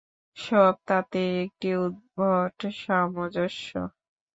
সব তাতেই একটা উদ্ভট সামঞ্জস্য।